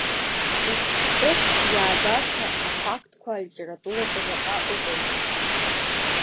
Ҿырԥштәыс иаагаша афактқәа алитератураҿы заҟа ыҟоузеи.